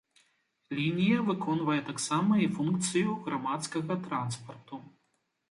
Лінія выконвае таксама і функцыю грамадскага транспарту.